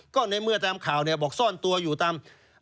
ก็ในเมื่อตามข่าวเนี่ยบอกซ่อนตัวอยู่ตาม